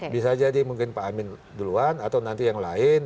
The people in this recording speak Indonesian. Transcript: bisa jadi mungkin pak amin duluan atau nanti yang lain